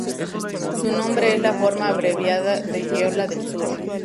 Su nombre es la forma abreviada de Jeolla del Sur.